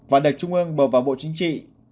và được trung ương bầu vào bộ chính trị